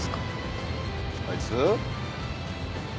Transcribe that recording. あいつ？